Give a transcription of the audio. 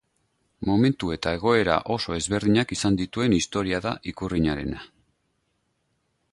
Momentu eta egoera oso ezberdinak izan dituen historia da ikurrinarena.